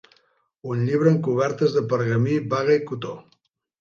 Un llibre amb cobertes de pergamí, baga i botó.